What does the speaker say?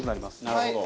なるほど。